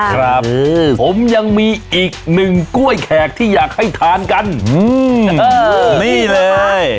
ครับผมยังมีอีกหนึ่งกล้วยแขกที่อยากให้ทานกันนี่เลย